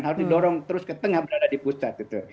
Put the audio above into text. harus didorong terus ke tengah berada di pusat gitu